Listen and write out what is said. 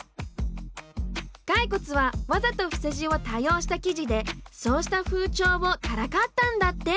外骨はわざと伏せ字を多用した記事でそうした風潮をからかったんだって。